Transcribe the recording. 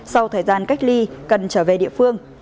sau thời gian cách ly cần trở về địa phương